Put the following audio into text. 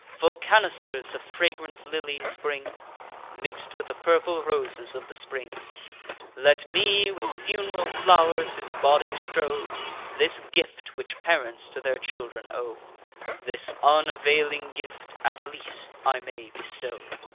Full canisters of fragrant lilies bring, Mix'd with the purple roses of the spring; Let me with fun'ral flow'rs his body strow; This gift which parents to their children owe, This unavailing gift, at least, I may bestow!"